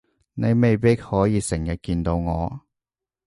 你未必可以成日見到我